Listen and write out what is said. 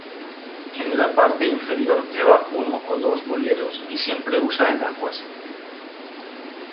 En la parte inferior lleva uno o dos boleros y siempre usa enaguas.